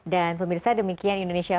dan pemirsa demikian indonesia